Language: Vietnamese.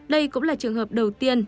đây cũng là trường hợp đầu tiên